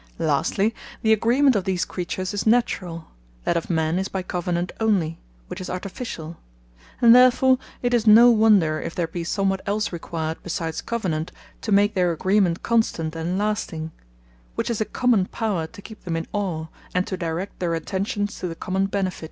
Lastly, the agreement of these creatures is Naturall; that of men, is by Covenant only, which is Artificiall: and therefore it is no wonder if there be somewhat else required (besides Covenant) to make their Agreement constant and lasting; which is a Common Power, to keep them in awe, and to direct their actions to the Common Benefit.